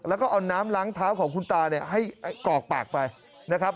แล้วก็เอาน้ำล้างเท้าของคุณตาเนี่ยให้กรอกปากไปนะครับ